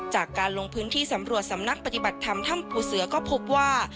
จากการลงพื้นที่สำรวจสำนักปฏิบัติธรรมถ้ำภูเสือก็พบว่า